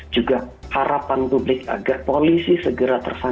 juga harapan publik agar polisi segera tersangka